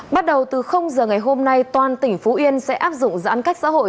bắt đầu từ giờ ngày hôm nay toàn tỉnh phú yên sẽ áp dụng giãn cách xã hội